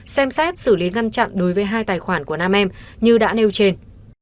xem xét xử lý ngăn chặn đối với hai tài khoản của nam em như đã nêu trên